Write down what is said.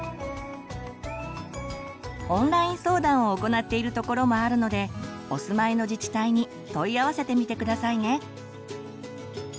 オンライン相談を行っている所もあるのでお住まいの自治体に問い合わせてみて下さいね。